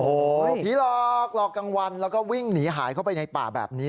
โอ้โหพี่รอกเหลากลางวันแล้ววิ่งหาไปไปในป่าแบบนี้